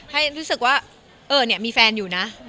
ให้รู้สึกว่ามีแฟนอยู่นะ